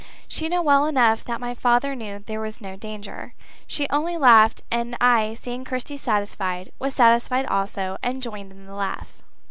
She knew well enough that my father knew there was no danger. She only laughed, and I, seeing Kirsty satisfied, was satisfied also, and joined in the laugh.